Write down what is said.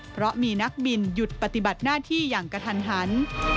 เพราะมีนักบินหยุดปฏิบัติหน้าที่อย่างกระทันหัน